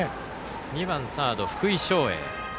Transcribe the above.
続いて２番サード、福井翔英。